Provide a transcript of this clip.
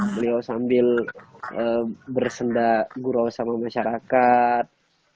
beliau sambil bersendak guru sama masyarakat